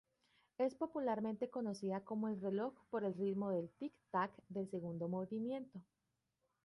Es popularmente conocida como El reloj por el ritmo de tic-tac del segundo movimiento.